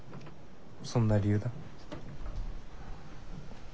そんな理由だ。